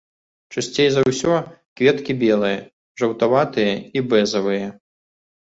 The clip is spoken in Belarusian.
Часцей за ўсё кветкі белыя, жаўтаватыя і бэзавыя.